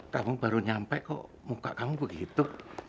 kamu baru nyampe kok muka kamu begitu